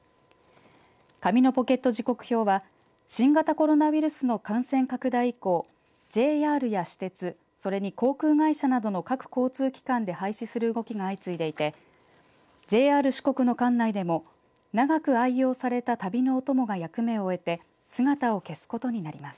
紙のポケット時刻表は新型コロナウイルスの感染拡大以降ＪＲや私鉄それに航空会社などの各交通機関で廃止する動きが相次いでいてＪＲ四国の管内でも長く愛用された旅のお供が役目を終えて姿を消すことになります。